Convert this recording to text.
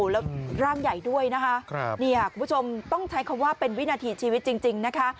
แล้วร่างใหญ่ด้วยนะคะคุณผู้ชมต้องใช้คำว่าเป็นวินาทีชีวิตจริงนะคะ